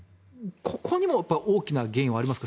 ここにも大きな原因はありますか？